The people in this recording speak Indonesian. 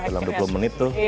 dalam dua puluh menit tuh